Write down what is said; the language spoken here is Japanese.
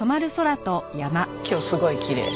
今日すごいきれい。